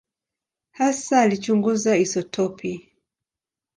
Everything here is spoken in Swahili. Hasa alichunguza isotopi.